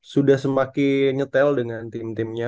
sudah semakin nyetel dengan tim timnya